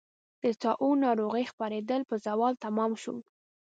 د طاعون ناروغۍ خپرېدل په زوال تمام شو.